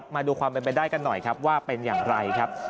มาดูความเป็นไปได้กันหน่อยว่าเป็นอย่างไร